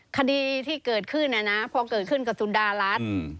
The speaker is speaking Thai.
คดีที่เกิดขึ้นนะพอเกิดขึ้นกับสุดารัฐ